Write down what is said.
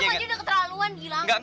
dia tuh aja udah keterlaluan gilang